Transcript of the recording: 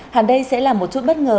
hẳn đây sẽ là một chút bất ngờ